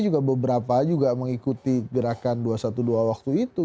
juga beberapa juga mengikuti gerakan dua ratus dua belas waktu itu